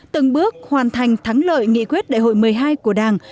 từng bước hoàn thành thắng lợi nghị quyết đại hội một mươi hai của đảng